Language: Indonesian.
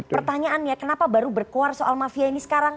pertanyaannya kenapa baru berkuar soal mafia ini sekarang